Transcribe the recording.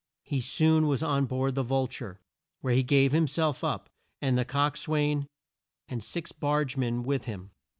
He soon was on board the Vul ture, where he gave him self up, and the cox swain and six barge men with him.